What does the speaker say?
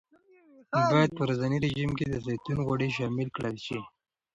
باید په ورځني رژیم کې د زیتون غوړي شامل کړل شي.